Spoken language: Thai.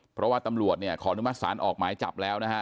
เพราะว่าตำรวจเนี่ยขออนุมัติศาลออกหมายจับแล้วนะฮะ